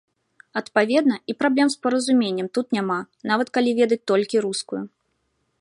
Адпаведна, і праблем з паразуменнем тут няма, нават калі ведаць толькі рускую.